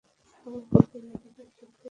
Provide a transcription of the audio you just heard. আবার কখনো শতাধিক শিক্ষক সমবেত করা হয়।